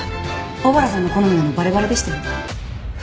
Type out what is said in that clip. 小原さんの好みなのバレバレでしたよ。